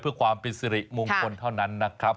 เพื่อความเป็นสิริมงคลเท่านั้นนะครับ